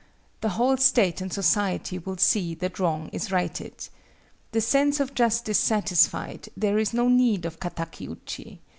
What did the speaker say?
The whole state and society will see that wrong is righted. The sense of justice satisfied, there is no need of kataki uchi.